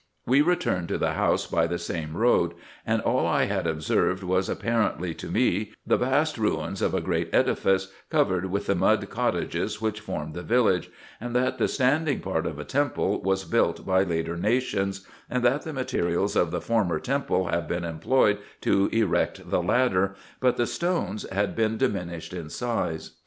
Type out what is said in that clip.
We returned to the house by the same road, and all I had observed was apparently to me the vast ruins of a great edifice, covered with the mud cottages which formed the village, and that the standing part of a temple was built by later nations, and that the materials of the former temple have been employed to erect the latter, but the stones had been diminished in size.